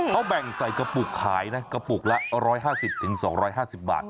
เขาแบ่งใส่กระปุกขายนะกระปุกละ๑๕๐๒๕๐บาท